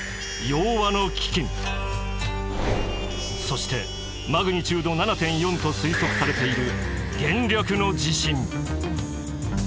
そしてマグニチュード７．４と推測されている元暦の地震。